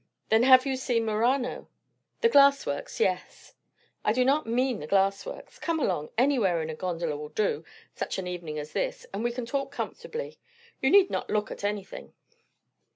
"Then have you seen Murano?" "The glass works, yes." "I do not mean the glass works. Come along anywhere in a gondola will do, such an evening as this; and we can talk comfortably. You need not look at anything."